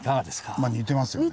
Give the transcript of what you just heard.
まあ似てますよね。